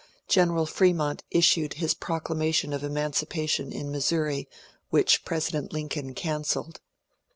General Fremont issued his proclamation of emancipation in Missouri which President Lincoln cancelled.